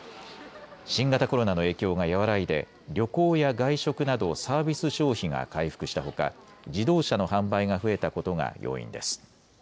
新型コロナの影響が和らいで旅行や外食などサービス消費が回復したほか自動車の販売が増えたことが要因です。